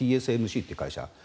ＴＳＭＣという会社。